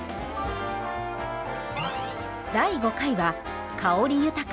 第５回は香り豊か！